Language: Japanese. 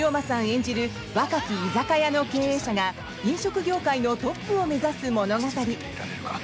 演じる若き居酒屋の経営者が飲食業界のトップを目指す物語。